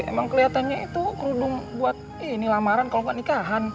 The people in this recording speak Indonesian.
emang kelihatannya itu kerudung buat ini lamaran kalau nggak nikahan